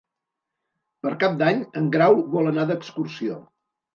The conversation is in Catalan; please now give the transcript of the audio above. Per Cap d'Any en Grau vol anar d'excursió.